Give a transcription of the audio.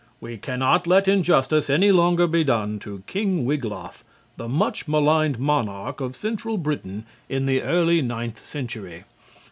We cannot let injustice any longer be done to King Wiglaf, the much maligned monarch of central Britain in the early Ninth Century.